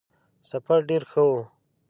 سفر ډېر ښه وو.